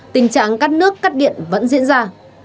tình trạng cắt nước cắt điện vẫn diễn ra